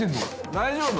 「大丈夫？」